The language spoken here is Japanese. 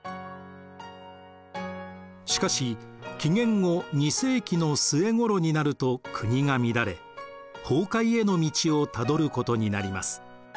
しかし紀元後２世紀の末頃になると国が乱れ崩壊への道をたどることになります。